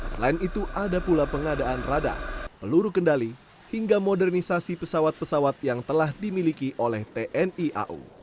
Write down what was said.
selain itu ada pula pengadaan rada peluru kendali hingga modernisasi pesawat pesawat yang telah dimiliki oleh tni au